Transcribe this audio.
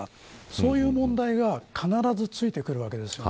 そういう問題が必ずついてくるわけです。